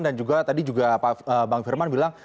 dan juga tadi juga pak bang firman bilang